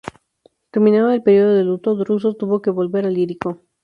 Terminado el período de luto, Druso tuvo que volver al Ilírico.